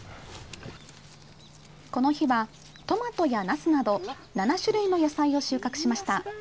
この日はトマトやナスなど７種類の野菜を収穫しました。